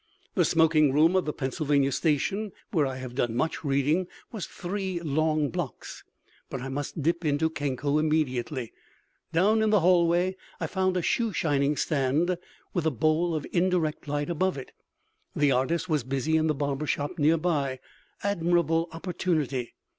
The smoking room of the Pennsylvania Station, where I have done much reading, was three long blocks. But I must dip into Kenko immediately. Down in the hallway I found a shoe shining stand, with a bowl of indirect light above it. The artist was busy in the barber shop near by. Admirable opportunity.